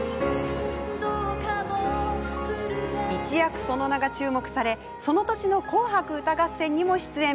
一躍、その名が注目されその年の「紅白歌合戦」にも出演。